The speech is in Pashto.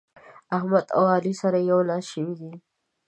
احمد او علي سره يو لاس شوي دي.